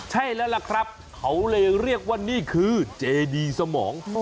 ใช่แล้วล่ะครับเขาเลยเรียกว่านี่คือเจดีสมอง